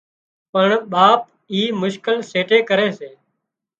پڻ ٻاپ اي مشڪل سيٽي ڪري سي